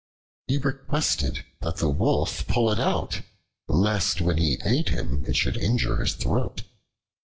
He requested that the Wolf pull it out, lest when he ate him it should injure his throat.